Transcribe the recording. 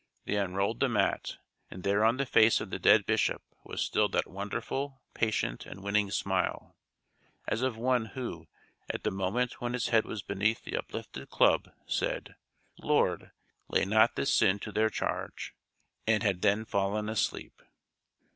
They unrolled the mat, and there on the face of the dead Bishop was still that wonderful, patient and winning smile, as of one who at the moment when his head was beneath the uplifted club said, "Lord, lay not this sin to their charge," and had then fallen asleep.